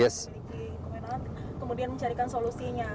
pemiliki kemenangat kemudian mencarikan solusinya